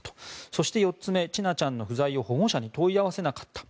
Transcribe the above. そして４つ目千奈ちゃんの不在を保護者に問い合わせなかった。